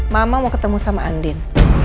mama mau ketemu sama andin